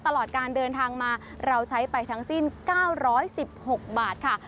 ตลอดการเดินทางมาเราใช้ไปทั้งสิ้น๙๑๖บาทค่ะ